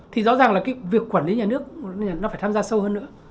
thì rõ ràng là cái việc quản lý nhà nước nó phải tham dự